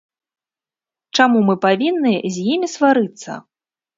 Чаму мы павінны з імі сварыцца?